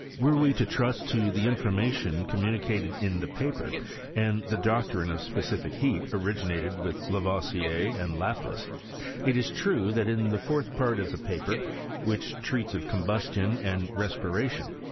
Were we to trust to the infor mation communicated in the paper, the doctrine of specific heat originated with Lavoisier and Laplace. It is true that in the fourth part of the paper, which treats of combustion and respiration.